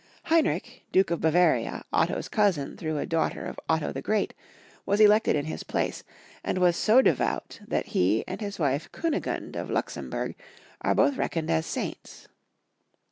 Heinrich, Duke of Bavaria, Otto's cousin through a daughter of Otto the Great, was elected in his place, and was so devout that he and his wife Kunigund * of Lux emburg are both reckoned as saints.